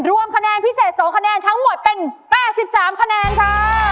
รวมคะแนนพิเศษ๒คะแนนทั้งหมดเป็น๘๓คะแนนค่ะ